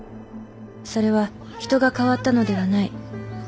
それは人が変わったのではない。